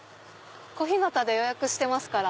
「小日向」で予約してますから。